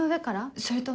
それとも。